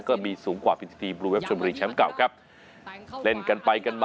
ก็มีสูงกว่าฟินสตรีบลูเวฟชนบุรีแชมป์เก่าครับเล่นกันไปกันมา